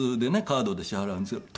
カードで支払うんですけど。